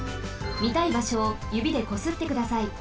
みたいばしょをゆびでこすってください。